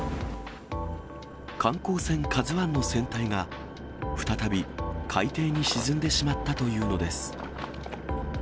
観光船、ＫＡＺＵＩの船体が、再び海底に沈んでしまったというのです。